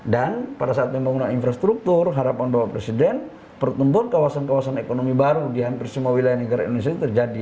dan pada saat membangun infrastruktur harapan bahwa presiden pertumbuhkan kawasan kawasan ekonomi baru di hampir semua wilayah negara indonesia itu terjadi